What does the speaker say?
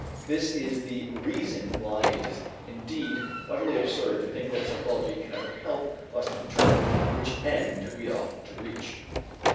This is the reason why it is indeed utterly absurd to think that psychology can ever help us to determine which end we ought to reach.